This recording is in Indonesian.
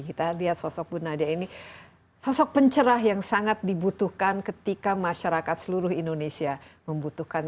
kita lihat sosok bu nadia ini sosok pencerah yang sangat dibutuhkan ketika masyarakat seluruh indonesia membutuhkan